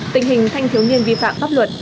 tình hình thanh thiếu niên vi phạm pháp luật